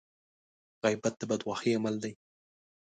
غيبت د بدخواهي عمل دی.